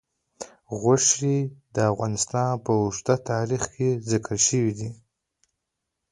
غوښې د افغانستان په اوږده تاریخ کې ذکر شوی دی.